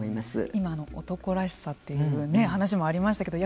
今、男らしさという話もありましたけど